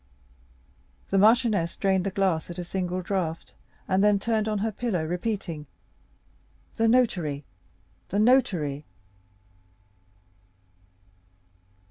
The marchioness drained the glass at a single draught, and then turned on her pillow, repeating, "The notary, the notary!"